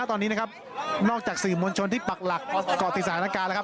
โดยต้อนรับความว่านอกจากสี่มวลชนที่ปรักหลักกรติศาลการณ์